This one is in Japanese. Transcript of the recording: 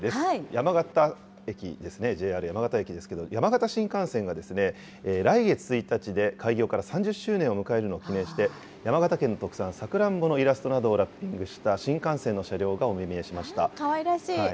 山形駅ですね、ＪＲ山形駅ですけど、山形新幹線が、来月１日で開業から３０周年を迎えるのを記念して、山形県の特産、さくらんぼのイラストなどをラッピングした新幹線の車両がお目見かわいらしい。